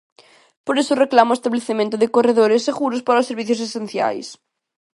Por iso reclama o establecemento de corredores seguros para os servizos esenciais.